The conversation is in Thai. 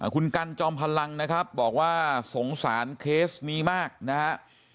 คุณกันจอมพลังนะครับบอกว่าสงสารเคสนี้มากนะฮะ